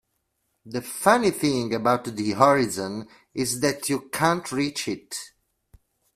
The funny thing about the horizon is that you can't reach it.